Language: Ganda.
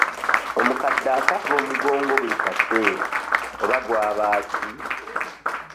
Omukadde akaaba omugongo buli kaseera oba gwaba ki?